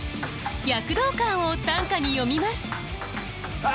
躍動感を短歌に詠みます